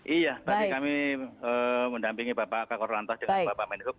iya tadi kami mendampingi bapak kak korlantas dengan bapak menhub